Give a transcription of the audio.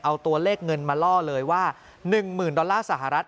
เอาตัวเลขเงินมาล่อเลยว่า๑๐๐๐ดอลลาร์สหรัฐ